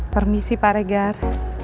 permisi pak regan